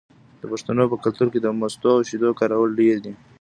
د پښتنو په کلتور کې د مستو او شیدو کارول ډیر دي.